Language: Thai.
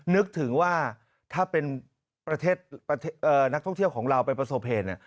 นึกถึงว่าถ้าเป็นประเทศนักท่องเที่ยวของเราไปประสบเหตุ